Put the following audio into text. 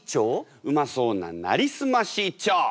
うまそうな「なりすまし」一丁！